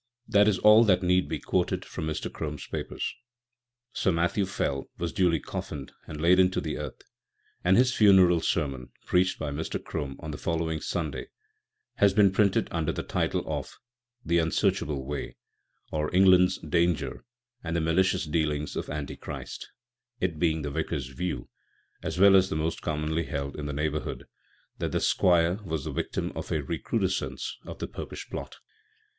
This is all that need be quoted from Mr. Crome's papers. Sir Matthew Fell was duly coffined and laid into the earth, and his funeral sermon, preached by Mr. Crome on the following Sunday, has been printed under the title of "The Unsearchable Way; or, England's Danger and the Malicious Dealings of Antichrist," it being the Vicar's view, as well as that most commonly held in the neighbourhood, that the Squire was the victim of a recrudescence of the Popish Plot.